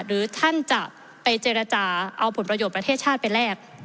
หรือท่านจะไปเจรจาเอาผลประโยชน์ประเทศชาติไปแลก